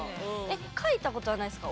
書いた事はないですか？